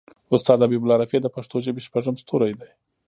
استاد حبیب الله رفیع د پښتو ژبې شپږم ستوری دی.